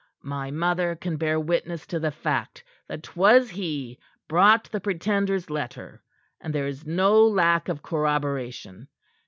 "My mother can bear witness to the fact that 'twas he brought the Pretender's letter, and there is no lack of corroboration.